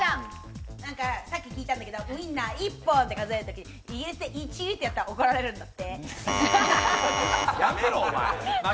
さっき聞いたんだけど、ウインナー１本って数える時、イギリスで１ってやったら怒られるんだって。